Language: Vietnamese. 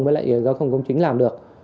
với lại giao thông công chính làm được